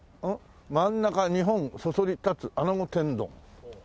「真ん中日本そそり立つ穴子天丼」